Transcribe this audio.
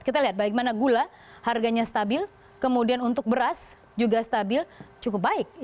kita lihat bagaimana gula harganya stabil kemudian untuk beras juga stabil cukup baik